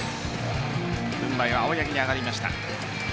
軍配は青柳に上がりました。